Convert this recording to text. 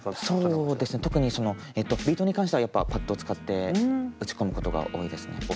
そうですね特にビートに関してはやっぱパッドを使って打ち込むことが多いですね。